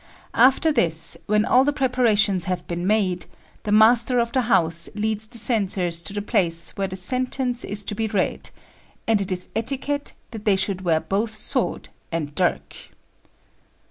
After this, when all the preparations have been made, the master of the house leads the censors to the place where the sentence is to be read; and it is etiquette that they should wear both sword and dirk.